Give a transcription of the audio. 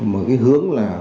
một cái hướng là